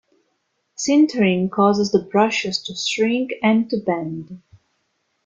Sintering causes the brushes to shrink and to bend.